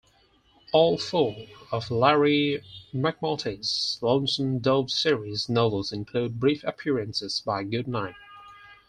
All four of Larry McMurtry's Lonesome Dove series novels include brief appearances by Goodnight.